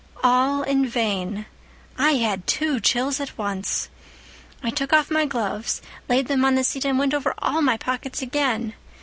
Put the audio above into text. All in vain. I had two chills at once. "I took off my gloves, laid them on the seat, and went over all my pockets again.